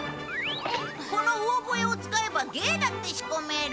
この魚笛を使えば芸だって仕込める。